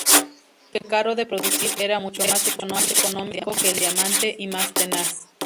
Aunque caro de producir, era mucho más económico que el diamante, y más tenaz.